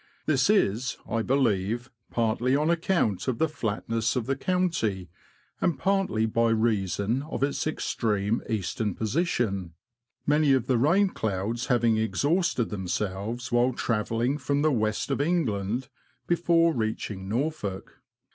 This is, I believe, partly on account of the flatness of the county, and partly by reason of its extreme eastern position, many of the rain clouds having exhausted themselves while tra velling from the West of England, before reaching Norfolk.